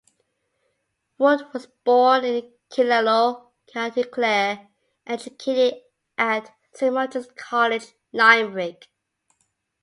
Wood was born in Killaloe, County Clare, and educated at Saint Munchin's College, Limerick.